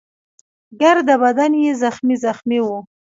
ګرده بدن يې زخمي زخمي وو.